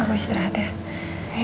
aku istirahat ya